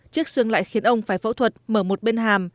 chiếc xương lại khiến ông phải phẫu thuật mở một bên hàm